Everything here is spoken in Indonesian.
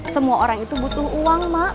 semua orang itu butuh uang mak